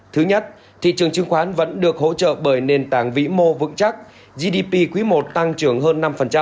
thứ nhất thị trường chứng khoán vẫn được hỗ trợ bởi nền tảng vĩ mô vững chắc gdp quý i tăng trưởng hơn năm